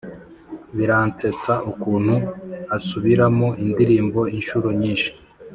Biransetsa ukuntu asubiramo indirimbo inshuro nyinshi